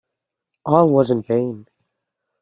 All was in vain.